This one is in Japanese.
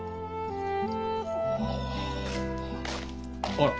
あら？